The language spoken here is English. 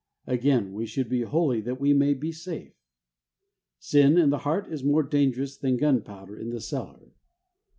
Again, we should be holy that we may be safe. Sin in the heart is more dangerous than gunpowder in the cellar.